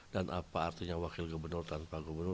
dan apa artinya wakil gubernur tanpa gubernur